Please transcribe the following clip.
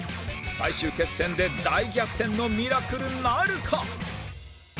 最終決戦で大逆転のミラクルなるか！？